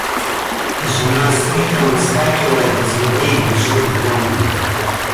Жена с криком выскакивает из воды и бежит к дому.